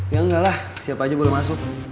ya enggak lah siapa aja belum masuk